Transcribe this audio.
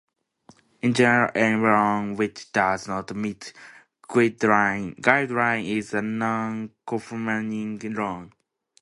In general, any loan which does not meet guidelines is a non-conforming loan.